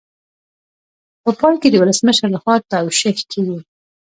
په پای کې د ولسمشر لخوا توشیح کیږي.